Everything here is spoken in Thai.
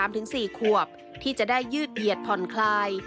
ไปจนถึงเด็กวัย๓๔ควบที่จะได้ยืดเหยียดผ่อนคลาย